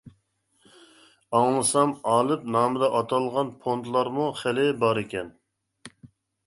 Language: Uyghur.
ئاڭلىسام ئالىپ نامىدا ئاتالغان فونتلارمۇ خېلى باركەن.